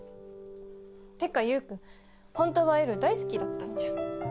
てかゆう君ホントはエル大好きだったんじゃん。